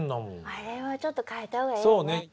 あれはちょっと変えた方がいいね。